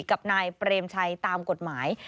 กับนายเปรมชัยตามกฎหมาย